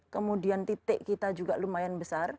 kemudian titik kita juga lumayan besar